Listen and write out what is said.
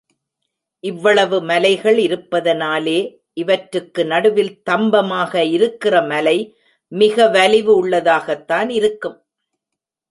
இவ்வளவு மலைகள் இருப்பதனாலே இவற்றுக்கு நடுவில் தம்பமாக இருக்கிற மலை மிக வலிவு உள்ளதாகத்தானே இருக்கும்?